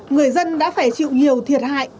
người dân đã phải chịu nhiều thiệt hại